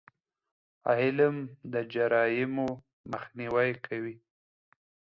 علم د جرایمو مخنیوی کوي.